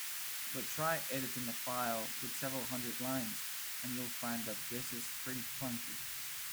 But try editing a file with several hundred lines, and you'll find that this is pretty clunky.